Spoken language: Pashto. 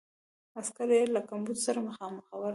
عسکر یې له کمبود سره مخامخ ول.